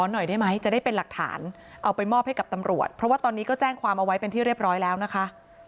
หน่อยได้ไหมจะได้เป็นหลักฐานเอาไปมอบให้กับตำรวจเพราะว่าตอนนี้ก็แจ้งความเอาไว้เป็นที่เรียบร้อยแล้วนะคะ